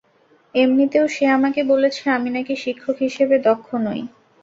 এমনিতেও সে আমাকে বলেছে, আমি নাকি শিক্ষক হিসেবে দক্ষ নই।